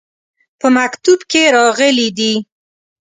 په مکتوب کې راغلي دي.